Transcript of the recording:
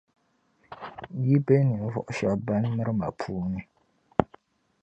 Yi be ninvuɣu shεba ban miri ma puuni.